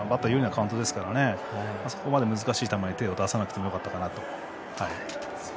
バッター有利なカウントなのでそこまで難しい球に手を出さなくてもよかったかなと。